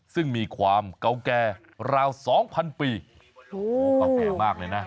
ซึ่งมีความเก่าแก่ราว๒๐๐๐ปีโอ้โหมากเลยนะ